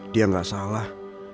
dia gak salah